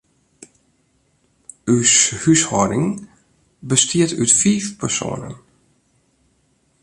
Us húshâlding bestiet út fiif persoanen.